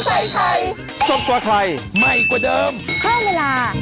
สวัสดีมากครับ